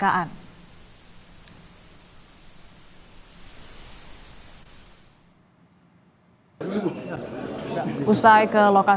kepolisian menurunkan tim taa polda jawa tengah untuk menentukan penyebab kecelakaan